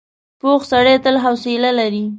پوخ سړی تل حوصله لري